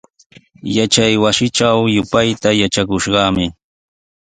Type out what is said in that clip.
Yachaywasitraw yupayta yatrakushqanami.